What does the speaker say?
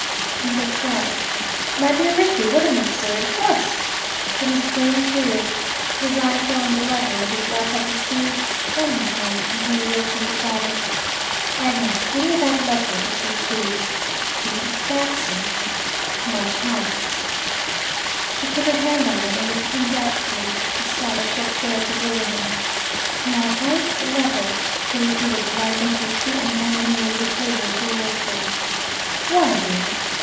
And they cried, "My dear Rickie, what an absurd fuss!" Then his brain cleared. His eye fell on the letter that his wife had received from his aunt, and he reopened the battle. "Agnes, give me that letter, if you please." "Mrs. Jackson's?" "My aunt's." She put her hand on it, and looked at him doubtfully. She saw that she had failed to bully him. "My aunt's letter," he repeated, rising to his feet and bending over the table towards her. "Why, dear?"